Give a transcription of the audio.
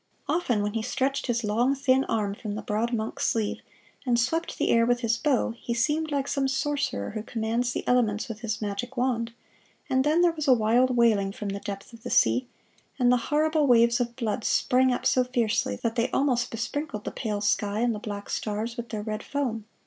Often, when he stretched his long, thin arm from the broad monk's sleeve, and swept the air with his bow, he seemed like some sorcerer who commands the elements with his magic wand; and then there was a wild wailing from the depth of the sea, and the horrible waves of blood sprang up so fiercely that they almost besprinkled the pale sky and the black stars with their red foam.